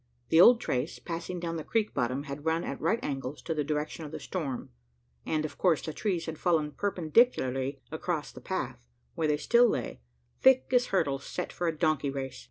The old trace, passing down the creek bottom, had run at right angles to the direction of the storm; and, of course, the trees had fallen perpendicularly across the path where they still lay, thick as hurdles set for a donkey race.